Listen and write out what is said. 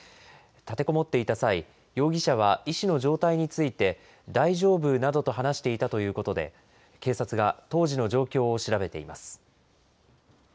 立てこもっていた際、容疑者は医師の状態について、大丈夫などと話していたということで、警察が当時の状況を調べています。